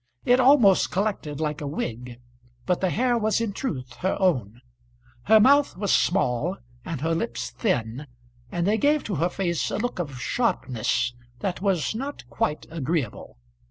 It almost collected like a wig, but the hair was in truth her own. Her mouth was small, and her lips thin, and they gave to her face a look of sharpness that was not quite agreeable.